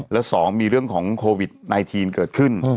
และ๒มีเรื่องของโควิด๑๙เกิดขึ้น